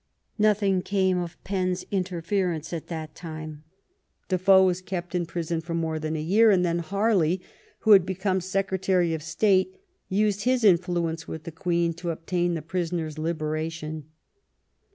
Nothing came of Penn's interference at that time. Defoe was kept in prison for more than a year, and then Harley, who had become Secretary of State, used his influence with the Queen to obtain the prisoner's liberation.